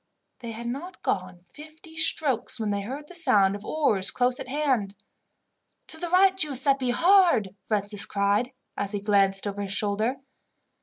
They had not gone fifty strokes when they heard the sound of oars close at hand. "To the right, Giuseppi, hard!" Francis cried as he glanced over his shoulder.